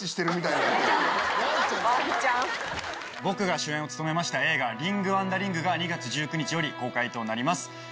僕が主演を務めました映画『リング・ワンダリング』が２月１９日より公開となります。